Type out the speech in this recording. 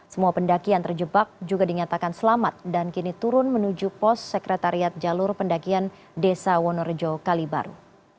semua pendaki yang terjebak juga dinyatakan selamat dan kini turun menuju pos sekretariat jalur pendakian desa wonorejo kalibaru